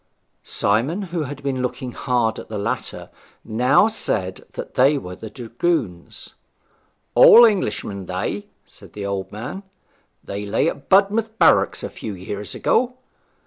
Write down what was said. Simon, who had been looking hard at the latter, now said that they were the th Dragoons. 'All Englishmen they,' said the old man. 'They lay at Budmouth barracks a few years ago.'